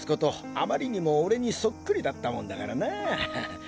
あまりにも俺にそっくりだったもんだからなァ。